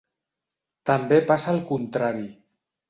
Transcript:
També passa al contrari.